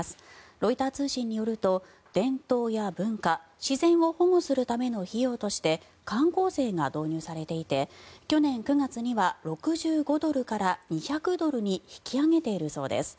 ロイター通信によると伝統や文化自然を保護するための費用として観光税が導入されていて去年９月には６５ドルから２００ドルに引き上げているそうです。